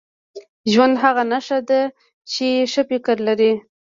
• ژوند هغه ته ښه دی چې ښه فکر لري.